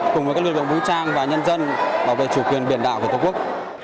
cùng với các lực lượng vũ trang và nhân dân bảo vệ chủ quyền bền đảo của tổ quốc